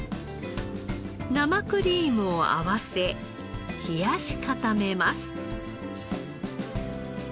生クリームを合わせ冷やし固めます。